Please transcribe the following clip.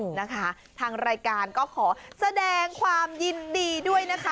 นะคะทางรายการก็ขอแสดงความยินดีด้วยนะคะ